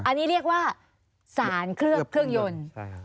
อันนี้เรียกว่าสารเคลือบเครื่องยนต์